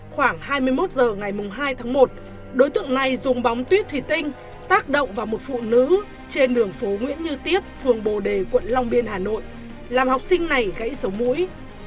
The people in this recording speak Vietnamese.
khoảng hai mươi một h ngày hai tháng một đối tượng này dùng bóng tuyết thủy tinh tác động vào một phụ nữ trên đường phố nguyễn như tiếp phường bồ đề quận long biên hà nội làm học sinh này gãy sống mũi